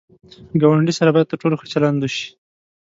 ګاونډي سره باید تر ټولو ښه چلند وشي